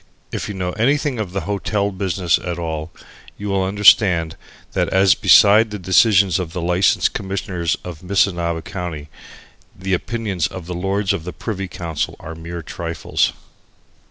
If you know anything of the hotel business at all, you will understand that as beside the decisions of the License Commissioners of Missinaba County, the opinions of the Lords of the Privy Council are mere trifles.